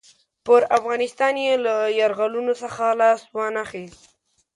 پر افغانستان یې له یرغلونو څخه لاس وانه خیست.